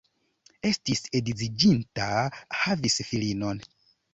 Estis edziĝinta, havis filinon.